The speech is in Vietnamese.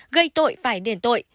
gây tội phải đền tội